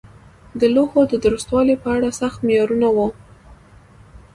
د لوحو د درستوالي په اړه سخت معیارونه وو.